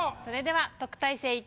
それでは特待生